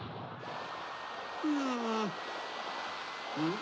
ん？